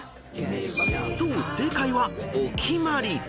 正解は「おきまり」］